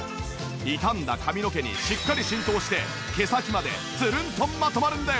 傷んだ髪の毛にしっかり浸透して毛先までつるんとまとまるんです！